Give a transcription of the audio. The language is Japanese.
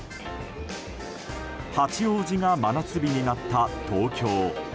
八王子が真夏日になった東京。